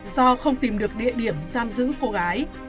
do không tìm được địa điểm giam giữ cô gái